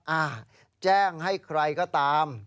อ่าแจ้งให้ใครก็ตาม